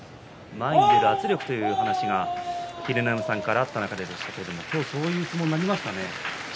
前へ出る圧力という話には秀ノ山さんから出た中でそういう相撲になりましたね。